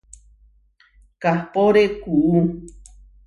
Kahpóre kuʼú.